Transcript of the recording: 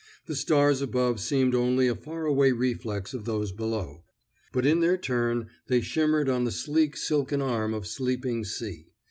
The stars above seemed only a far away reflex of those below; but in their turn they shimmered on the sleek silken arm of sleeping sea.